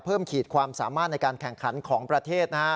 ขีดความสามารถในการแข่งขันของประเทศนะฮะ